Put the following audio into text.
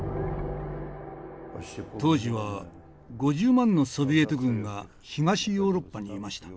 当時は５０万のソビエト軍が東ヨーロッパにいました。